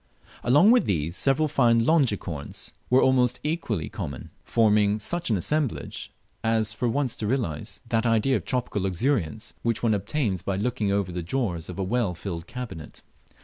Along with these, several fine Longicorns were almost equally common, forming such au assemblage as for once to realize that idea of tropical luxuriance which one obtains by looking over the drawers of a well filled cabinet.